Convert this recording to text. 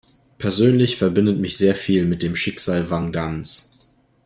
Persönlich verbindet mich sehr viel mit dem Schicksal Wang Dans.